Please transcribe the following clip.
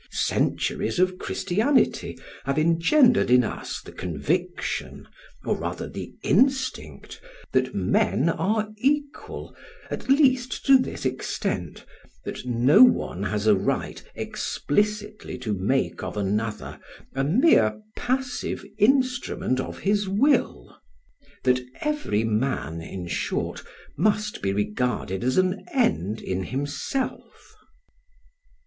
Centuries of Christianity have engendered in us the conviction, or rather, the instinct, that men are equal at least to this extent, that no one has a right explicitly to make of another a mere passive instrument of his will that every man, in short, must be regarded as an end in himself.